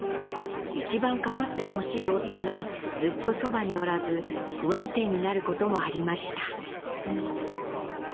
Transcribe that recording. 一番かまってほしい夫がずっとそばにおらず不安定になることもありました。